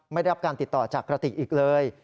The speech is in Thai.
ไม่ได้รับการติดต่อจากกระติกอีกเลย